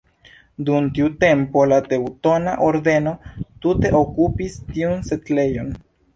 Dum tiu tempo la Teŭtona Ordeno tute okupis tiun setlejon.